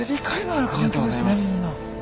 ありがとうございます。